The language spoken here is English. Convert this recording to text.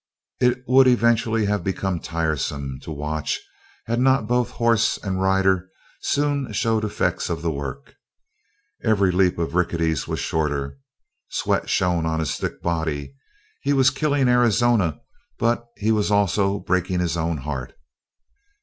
It would eventually have become tiresome to watch had not both horse and rider soon showed effects of the work. Every leap of Rickety's was shorter. Sweat shone on his thick body. He was killing Arizona but he was also breaking his own heart.